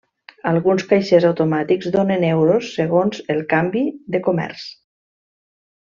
Alguns caixers automàtics donen euros segons el canvi de comerç.